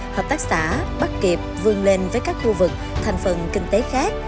hợp tác xã bắt kịp vươn lên với các khu vực thành phần kinh tế khác